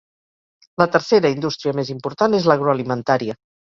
La tercera indústria més important és l'agroalimentària.